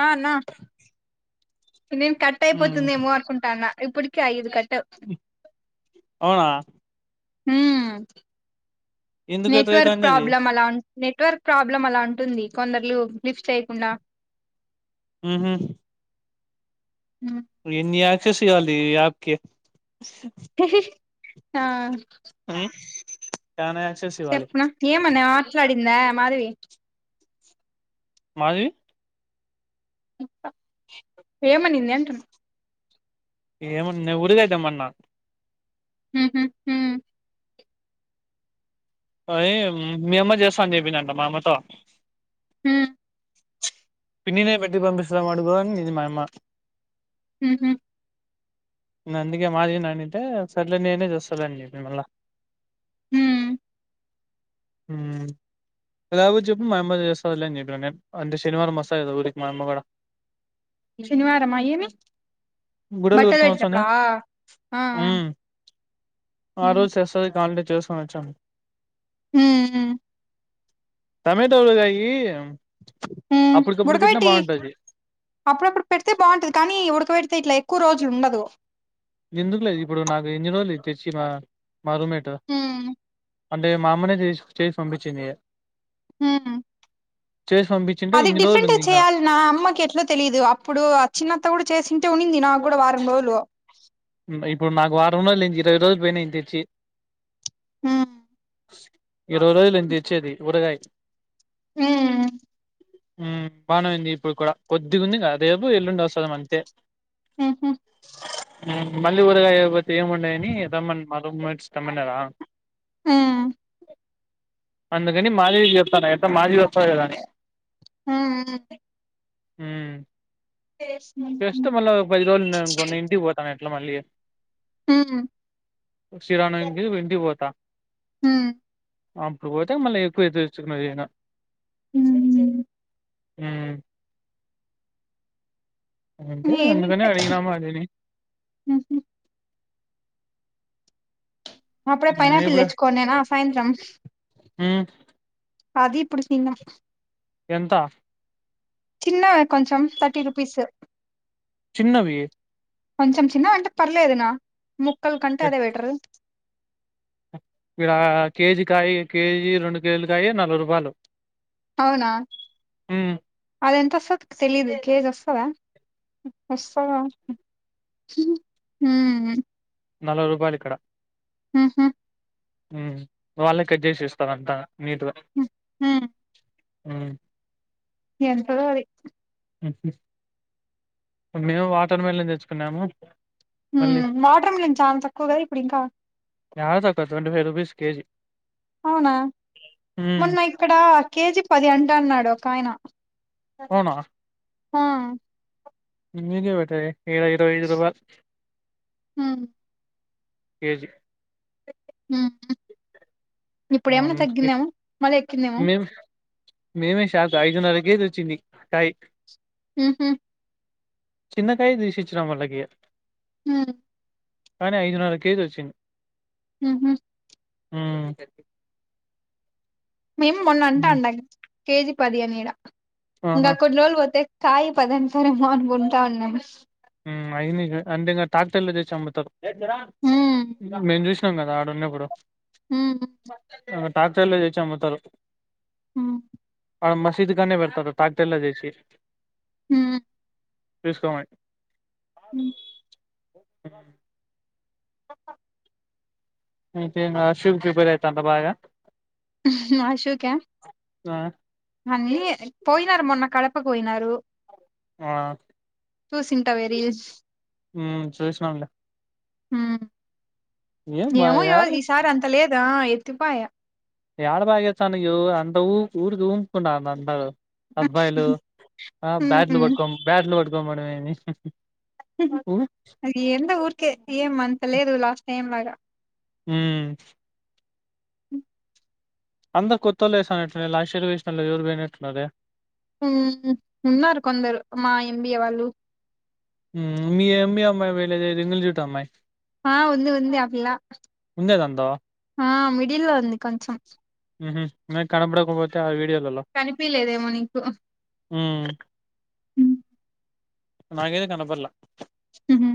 ఆ అన్న నేను కట్ ఉమ్ అయిపోతుందేమో అనుకుంటాన్న ఇప్పటికే ఐదు కట్ అవునా మ్మ్ ఎందుకు నెట్వర్క్ ఎట్లయితాంది అది ప్రాబ్లమ్ అలా ఉ నెట్వర్క్ ప్రాబ్లం అలా ఉంటుంది కొందరులు లిఫ్ట్ చేయకుండా హ్మ్ హు ఉమ్. ఎన్ని ఆఖేసి వాలి ఆక ఆ ఉమ్ చానా యాక్సెస్ ఇవ్వాలి చెప్పు ఏ మన ఆ మాట్లాడింద మాధవి మాది ప్రేమ నింది ఎంత ఏమన్నా ఊరిద అతేమ్మన్నా హ అయ్ మే అమ్మ చేస్తాను చెప్పినంట మామ్మతో హ పిన్నినే పెట్టికి పంపిస్తాం అడుగని నను మాయమ్మ హ అందుక మాజీ ననితే సర్లే నేనే చేస్తానండి మిమల్ల హ్మ్ ఎ చెప్పడు మ దస జ శనివారం మాసం ఊరికి మ మగడ శనివారమా ఏమి గుడ్డలు బట్టలు కొట్టుకొని వచ్చటప్పుడు వచ్చానా ఉమ్ జ సున చం హ్మ్ టమటో కాయ ఉడకబెట్టి అప్పుడప్పుడు పెడితే బాగుంటది కానీ ఉడకబెడితే ఇట్లే కుక్కువ రోజులుండదు ఎందుకు లేదు ఇప్పుడు నాకు ఇన్ని రోజులు తెచ్చి మా మార మేటా హ్మ్ అంటే మా అమ్మనే తీసి చేసి పంపించింది హ చేసి పంపించింటే అది ఇన్ని రోజులు డిఫరెంట ఉంది ఇంకా చేయ్యాలి నా అమ్మకి ఎట్ల తెలిదు అప్పుడు చిన్న చేసింటే ఉనింది నాకు కూడా వారం రోజులు హ్మ్. ఇప్పుడు మాకు వారం రోజులు ఏ ఇరవై రోజులు పోయినాంది తెచ్చి ఆ ఇరవై రోజులు అయింది తేచ్చే అది ఊరగాయ ఆ బానేయింది ఇప్పుడు కూడా కొద్దిగాంది రేపు ఎల్లుండి వస్తుంద అంతే ఉహు మళ్ళీ ఊరగాయ ఏము ఉండయని రామన్న మా రూమ్మేట్ స్తమన్నరా ఆ అందుకని మాల చెతా మాది వస్తు ఎలాని ఉమ్ [inaudible] ఉమ్మ్ చేస్తే మళ్ళ ఒక పది రోజులు ఉన్నా అనుకో నేను ఇంటికి పోతా నన్ ట్ల మళ్లీ ఉమ్ శ్రీరామనవమి కీ ఇంటికి పోతా ఉమ్మ్ అప్పుడు పోతే మళ్ళీ ఎక్కువై తెచ్చుకున్న ఇయన మ్మ్ మ్మ్ అంటే అందుకనే నేనుంటే అడిగిన [unintelligible] ఉహు అప్పుడే నేను పైనాపిల్ ఇప్పుడు తెచ్చుకోనేనా సాయంత్రం మ్మ్ అది ఇప్పుడు తిన్నం ఎంత చిన్న కొంచెం థర్టీ రూపీస్ చిన్నవి కొంచెం చిన్నవి అంటే పర్లేదున్నా ముక్కల్ కంటే అదే ఇక్కడ బెటరు మీరు అ కేజీ కాయ కేజీ రెండు కేజీల కాయ నలభై రూపాయలు అవునా మ్మ్ అది ఎంతస్తదో తెలిదు కేజీ వస్తా వస్తవ మ్మ్ నలభై రూపాయలు ఇక్కడ ఉ హు మ్మ్ వాళ్ళే కట్ చేసి ఇస్తారంతా నీతోనీ హ్మ్ హ్మ్. అ ఎంతదో అది ఉహు మేము వాటర్ మిలన్ తెచ్చుకున్నాము ఉ మళ్ళీ వాటర్ మిలన్ చాలా తక్కువ కదా ఇప్పుడు ఇంకా రాదు అక్క ట్వంటీ ఫైవ్ రూపీస్ కేజీ అవునా మ్మ్ మొన్న ఇక్కడ కేజీ పది అంట వద్దన్నాడు ఒక ఆయన అవునా అ మీదే బెటరే ఈడ ఇరవై ఐదు రూపాయల్ కేజీ ఉ ఉ ఇప్పుడు ఏమన్నా తగ్గిందేమో మళ్ళీ ఎక్కిందేమో మేం మేమే షాక్ అయిదు ఇన్నర కే జీ వచ్చింది కాయి హమ్ చిన్నకాయ దీశించ వాళ్ళకి హ కానీ ఐదున్నర కేజీ వచ్చింది హ ఆ స మేము మొన్న అంటే అండం కేజి పది అని ఇడ ఆహా ఇంకా కొన్ని రోజులు పోతే కాయి పదంటారు ఏమో అనుకుంటా వునము అయి అంటి ఇకా టాక్టర్లో చేచ్చి అమ్ముతారు హ్మ్ మేం [inaudible] కదా అడున్నపుడు హ ట్రాక్టర్ లో తెచ్చి అమ్ముతారు హ మసీదు కాడని పెడతారు ట్రాక్టర్ లో తీసే హ చూసుకోమని హ [unintelligible] ఆ శూక ఆ పోయినారు మొన్న కడప పోయినారు ఆ చూసింటా వె రీల్స్ ఉం చూసినాన్లే ఉం బా ఏవో ఏ యాడ ఈ సారి అంతలే ఆ ఎత్తి పాయ యాడ బాగ్య చా ను అంత ఊ ఊరిగ ఉఊంకుడా అంత అబ్బాయిలు ఆ బ్యాడ్లు హ్మ్. పట్కోం బ్యాడ్లు పట్ డమ్ ఏమి హు హు అది ఎంత ఊరికే ఏం అంత లేదు లాస్ట్ టైం లాగా ఉం అందరు కొత్తోళ్ళ వేసా అట్టున్నారే లాస్ట్ ఇయర్వేషినలో ఎవరు పోయినట్టున్నారే ఉమ్ ఉన్నారు కొందరు మా ఎంబిఏ వాళ్ళు మ్ మీ అమ్మాయి వేలేద రింగుళ్ జుట్టు అమ్మాయి ఆ ఉంది ఉంది ఆ పిల్ల ఉండేదందా ఆ మీ గీ ల్లో ఉంది కొంచెం ఉహూ మె కనపడకపోతే ఆ వీడియె కనిపలేదేమో నీకు ఉహు ఉమ్ నాకైతే కనపల్లా హు హు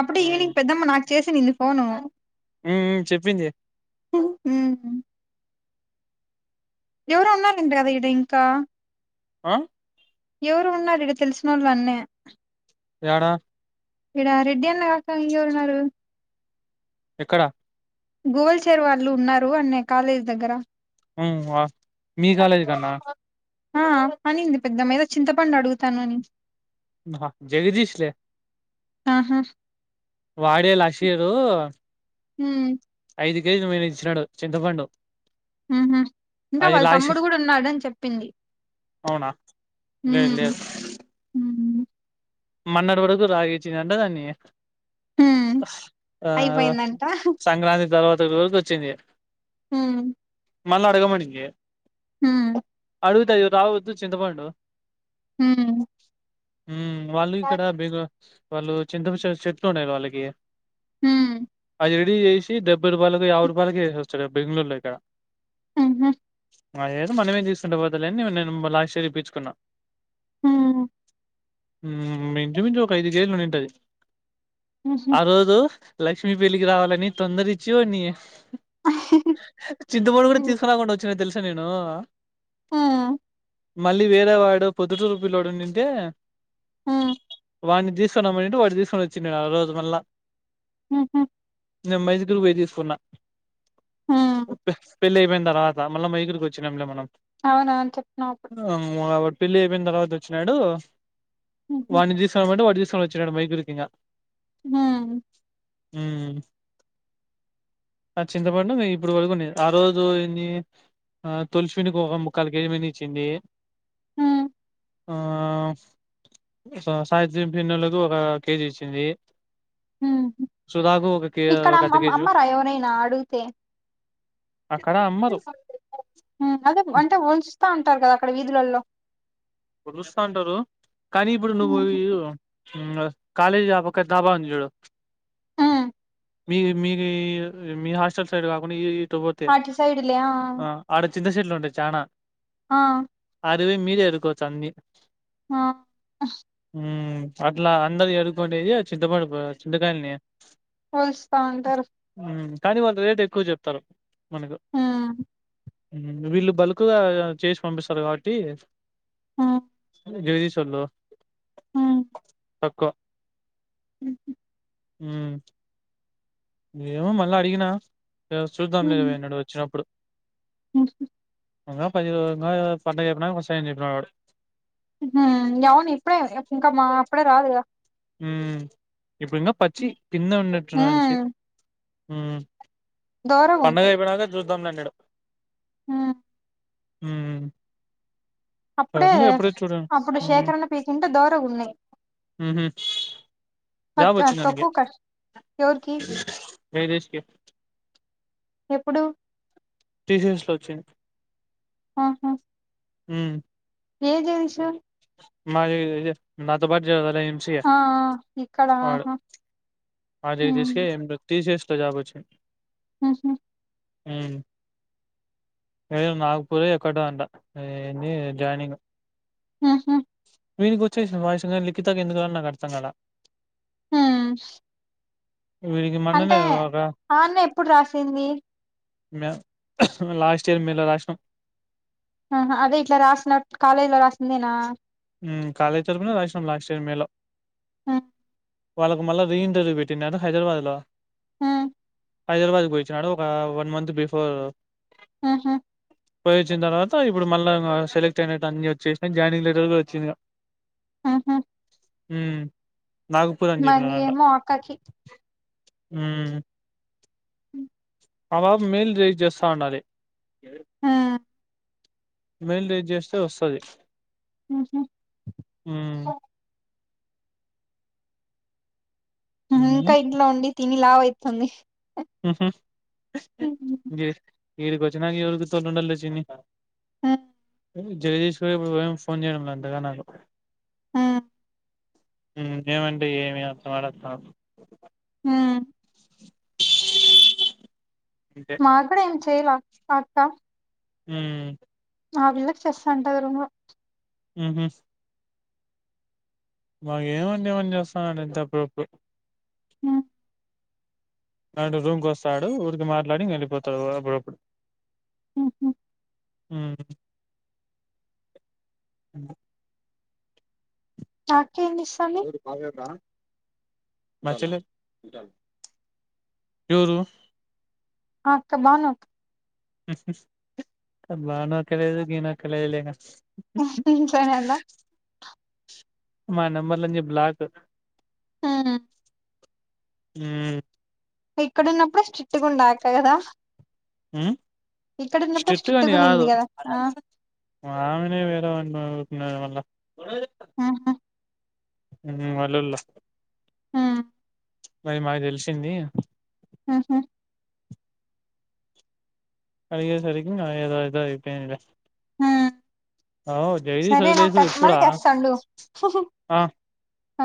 అప్పుడే ఈవినింగ్ పెద్దమ్మ నాకు చేసి నింది ఫోను ఉం ఉ చెప్పింది హ్మ్. ఎవరు ఉన్నారండి ఈడ ఇంకా ఆ? ఎవరు ఉన్నారు ఇగ తెలిసినోళ్ళు అన్నే యాడ? ఈడ రెడ్డీ గాక ఇంగెవ రున్నారు? ఎక్కడ? గోల్డ్ చెరువు వాళ్ళు ఉన్నేరు అన్న కాలేజీ దగ్గర ఉం వా మీ కాలేజ్ కాన్నా? ఆ అనింది పెద్దమేదో చింతపండు అడుగుతాను అని ఆహా జగదీశ్ లే ఆహా వాడే లషీరూ ఉం ఐదు కేేజిలు మీన ఇచ్చినాడు చింతపండు ఊంహు ఇంగా అది వాళ్ళ లాస్ట్ తమ్ముడు కూడా ఉన్నాడని చెప్పింది అవునా లే హ్మ్ లేదు హ్మ్ మన్నర్ వడుకు రాగీచీ అంటదాన్ని హ్మ్ ఆ అయిపోయిందంట సంక్రాంతి తర్వాత రోజు వచ్చింది హు మళ్ళీ అడగమడినికి హు అడుగుతుది రావద్దు చింతపండు హు హు వాళ్ళ ఈకడ బెగో వాళ్ళు చింతప చెట్లు ఉన్నాయివాళ్ళకి హు సిడీ చేసి డెబ్బై రూపాయలకి యాభ రూపాయలకి వేస్తారు బెంగళూరులో ఇక్కడ హు లేదో మనమేం తీసుకుంటే పోతలేని న నేను లాస్ట్ ఇయర్ ఇప్పించుకున్నా హుమ్ హుమ్ ఇంచు మించు ఒక ఐదు జేయ మనింటది ఊహూ ఆ రోజు లక్ష్మి పెళ్ళికి రావాలని తొందర ఇచ్చి వాని చింతపొండు కూడా హ్మ్ తీసుకురాకుండా వచ్చిన తెలుస తెలుసా నేను మళ్ళీ వేరే వాడు పొద్దుటురు పిల్లోడు ఉన్నింటే హ్మ్ హ్మ్ వాన్ని తీసుకో రమ్మనింటే వాడు తీసుకొని వచ్చినాడు ఆ రోజు మళ్ళా ఉహూ నేను మైదిటురు పోయి తీసుకున్నా హ్మ్ ఒప్పేస్ పెళ్లి అయిపోయిన తర్వాత మళ్ళ మైసురు కొచ్చినాం లే మనం అవునా చెప్పినావ్ ఆ, పెళ్లి అయిపోయిన తర్వాత వచ్చినాడు ఊహూ వాన్ని తిస్క పోయింటే వాడు తీస్ వచ్చినాడు మైసూరు ఇంగా హుమ్ హుమ్ ఆ చింతపండు నేను ఇప్పుడు వరకునే ఆ రోజు ఎన్ని తొలసి చెట్ ఒక ముక్కలు ఏయమని ఇచ్చింటి హుమ్ ఆ సాయిత్రం పిన్నెళ్లకు ఒక కేజీ ఇచ్చింది సుధాకు ఒక కే ఒక ఇక్కడమ్ అర్ధ కేజీ అమ్మరా ఎవరైనా అడిగితే అక్కడ అమ్మరు అదే అంటే ఉల్చుతా ఉంట ఉంటారు కదా అక్కడ వీధులలో ఇప్పుడు చూస్తా ఉంటారు కానీ ఇప్పుడు నువ్వు హ్మ్ కాలజపో క బాంది జడ హ్మ్ మీ మీకు మీ హాస్టల్ సైడ్ కాకుండా ఈ ఆటి సైడ్లయా చింతశెట్లు ఉంటాయి చాలా ఆ అరువే మీరేరుకు చన్ని ఆ అట్లా అందరి అడుగుంటేది చింతపడు చింతకాయలని ఒలుస్తవుంటారు మ్మ్ కానీ వాళ్ళు రేట్ ఎక్కువ చెప్తారు మనకు హ్మ్ వీళ్ళు బల్క్గా చేసి పంపిస్తారు కాబట్టి ఆ జోది చల్ తక్కువ హూ ఎమో మల్లా అడిగినా వ చూద్దాం హ్మ్ లేవే అన్నాడు వచ్చినప్పుడు ఇంగా పదిరో ఇంగా పండగ అయిపోనక వస్సాయి అని చెప్పినాడు వాడు ఆ అవును ఇప్పుడే అప్ ఇంకా మా అప్పుడే రాదు కదా హ్మ్మ్ ఇప్పుడు ఇంగా పచ్చి కింద విన్నట్న్నాంచి హ్మ్ హ్ దోరగా పండగ అయిపోయినాక ద్దంలే అన్నేడు హు హు అప్పుడే అప్పుడు మ్మ్ శేఖరన్న పీకింటే దోరగా ఉన్నేయి మ్హు పచ్చ జాబ్ వచ్చింది వానికి తక్కువ కార్చ్ ఎవరికి ఏరిసెకె ఎప్పుడు తీసేస్కో వచ్చి అహా హు ఏ జనిష మాది ఇ ఇదే నాతో పాటి జావర్ ఆ ఇక్కడ అ ఆది తీసెయ్ ఎందుక్ తీసేస్త జాబ్ వచ్చే హు హు మ్మ్ ఏదో నాగపూర్ ఎక్కడో అంట అది ఏందీ జాయినింగ్ మ్మ్ హ్మ్ వీనికి వచ్చేసింది వాయిస్ లిఖితాకు ఎందుకు రాల నాకు అర్థం కాలా మ్మ్ వీడికి మొన్ననే అంటే ఒక ఆ అన్న ఎప్పుడు రాసింది మే లాస్ట్ చర్మీలో రాసినం ఆహ అదె ఇట్లా రాసినట్ కాలేజ్ లో రాసిందేనా మ్మ్ కాలేజ్ తరుపునే రాసినాం లాస్ట్ ఇయర్ మేలో ఆ వాళ్ళకు మల్లా రీ ఇంటర్వ్యూ పెట్టిన్నా హైదరాబాద్ లో ఆ హైదరాబాదకు పొయి వచ్చినాడు ఒక వన్ మంత్ బిఫోరు ఆహా పోయి వచ్చిన తర్వాత ఇపుడు మళ్ళా సెలెక్ట్ అయినట్టు అన్నీ వచ్చేసినాయి జాయినింగ్ లెటర్ కూడ చిగ ఆహా మ్మ్ మళ్ళీ ఏమో అక్కకి మ్మ్ మ్మ్ తరువాత మేల్ రైజ్ చెస్తా అన్నది ఆ మెయిల్ రేజ్ చేస్తే వస్తది మ్మ్ హ్మ్ ఉమ్ ఇంకా ఇట్లా అండి తిని లావయితుంది మ్మ్ హ్మ్ ఈడికి వచ్చినంక ఎవరు గుర్తూందరులే చిన్ని ఆ జగదీష్ గారు ఇప్పుడు ఫోన్ చేయడం లే అంతగా నాకు మ్మ్ ఏమండి ఏమి అంటే మాడస్తావ్ మ్మ్ అంతే నాక్ కూడా ఏం చేయలా [inaudible] మ్మ్ ఆ వీళ్ళకి చెస్తాంటారు మ్మ్ హ్మ్ మాగ ఏమంది ఏమని చేస్తున్నాడు ఇంతప్పుడప్పు అడు రూమ్ కి వస్తాడు ఊరికి మాట్లాడి వెళ్ళిపోతాడు అప్పుడప్పుడు ఊ ఉ చరు ఎవరు బవరా మా చెల్లె ఎవరు ఆ అక్క బాగున్నా అక్ ఉహు బానక్క లేదు గీనక్క లేదు లే ఉహు సరే అందా మా నంబర్లంచి బ్లాకు హు [unintelligible] ఊ ఇక్కడున్నప్పుడే స్ట్రిగ్ట్ ఉండే ఆ అక్క గదా ఊ స్ట్రిక్టు స్ట్రిక్ట్ అని గా ఉన్నింది గాదు కదా ఆ ఆమెనే వేరే వాన్ని న వళ్ళ ఆహా ఉ అల్లోలు ఆ మరి మాకు దెల్న్షింది ఆహా అడిగే సరికి ఏదో ఇగ ఐపోందిగా ఆ సరే నాకు వదిలేసుడు ఇప్పుడా కస్టమరకస్తాండు ఆ అ